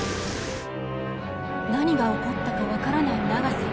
何が起こったか分からない永瀬。